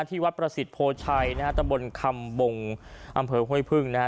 ที่วัดประสิทธิโพชัยนะฮะตะบนคำบงอำเภอห้วยพึ่งนะฮะ